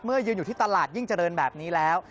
ยืนอยู่ที่ตลาดยิ่งเจริญแบบนี้แล้ว